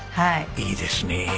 いいですね。